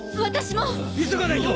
・急がないと！